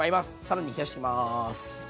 更に冷やします。